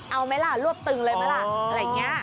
เอาไหมล่ะรวบตึงเลยไหมล่ะอะไรอย่างนี้